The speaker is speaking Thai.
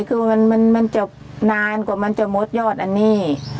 คือมันจะนานกว่ามันจะหมดยอดอันนี้